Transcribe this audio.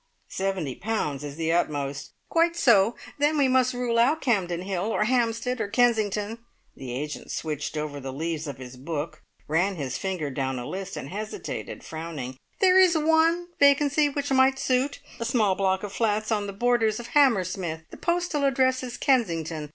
"Seventy pounds is the utmost " "Quite so. Then we must rule out Campden Hill, or Hampstead, or Kensington." The agent switched over the leaves of his book, ran his finger down a list, and hesitated, frowning. "There is one vacancy which might suit a small block of flats on the borders of Hammersmith. The postal address is Kensington.